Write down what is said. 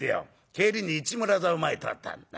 帰りに市村座の前通ったんだ。